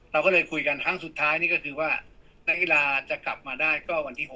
เราก็เลยคุยกันครั้งสุดท้ายนี่ก็คือว่านักกีฬาจะกลับมาได้ก็วันที่๖